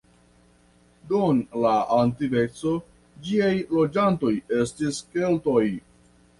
Dum la antikveco ĝiaj loĝantoj estis Keltoj.